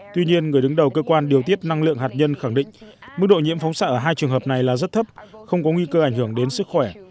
tuy nhiên người đứng đầu cơ quan điều tiết năng lượng hạt nhân khẳng định mức độ nhiễm phóng xạ ở hai trường hợp này là rất thấp không có nguy cơ ảnh hưởng đến sức khỏe